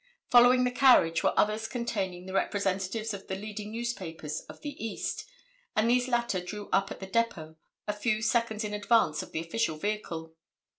Following the carriage were others containing the representatives of the leading newspapers of the East, and these latter drew up at the depot a few seconds in advance of the official vehicle.